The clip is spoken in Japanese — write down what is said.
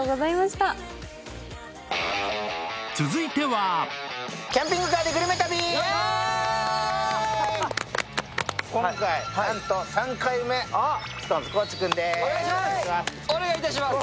続いては今回なんと３回目、ＳｉｘＴＯＮＥＳ、高地君です。